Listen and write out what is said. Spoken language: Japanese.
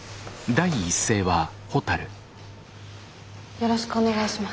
よろしくお願いします。